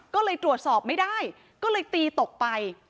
ก็เลยตรวจสอบไม่ได้ก็เลยตีตกไป